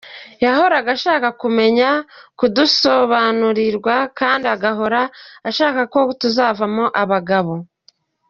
Yahoraga ashaka tumenye, dusobanukirwe kandi agahora ashaka ko tuzavamo abagabo.